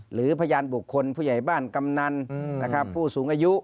หรือพยานบุคคลผู้ใหญ่บ้านกำนันผู้สูงอายุ